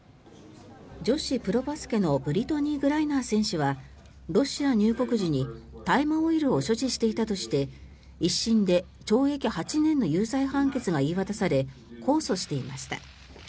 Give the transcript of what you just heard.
女子プロバスケのブリトニー・グライナー選手はロシア入国時に大麻オイルを所持していたとして１審で懲役８年の有罪判決が言い渡され控訴していました。